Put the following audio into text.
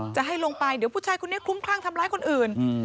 จะให้ลงไปเดี๋ยวผู้ชายคนนี้คลุ้มคลั่งทำร้ายคนอื่น